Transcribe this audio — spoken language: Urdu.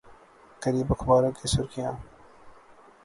قریب اخباروں کی سرخیاں